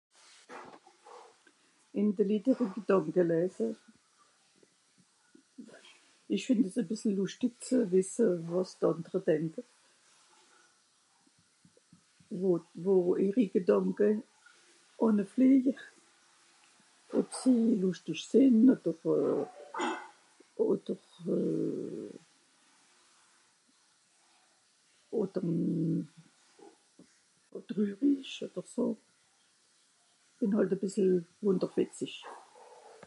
Ìn de Litt ìhri Gedànke lèèse. Ìch fìnd es e bìssel lùschtig ze wìsse, wàs d'àndere denke... wo...wo ìhri Gedànke ànne flìeje, ob sie lùschtisch sìnn odder euh [bruit de vaisselle] ... odder euh... odder... odder (...) odder so. bìn hàlt e bìssel wùnderfìtzisch.